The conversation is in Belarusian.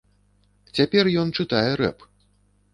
Цяпер ён чытае рэп.